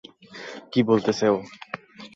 কি বলতেছে ও?